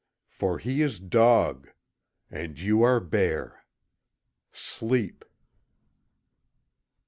For he is Dog. And you are Bear. SLEEP!"